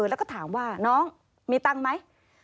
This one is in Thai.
แล้วก็ถามว่าน้องมีตังค์ไหม